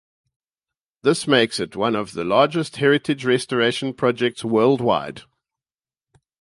This makes it one of the largest heritage restoration projects worldwide.